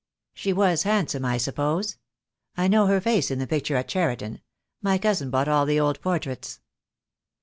"She was handsome, I suppose? I know her face in the picture at Cheriton. My cousin bought all the old portraits."